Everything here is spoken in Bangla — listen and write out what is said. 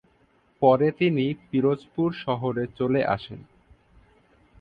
পরে তিনি পিরোজপুর শহরে চলে আসেন।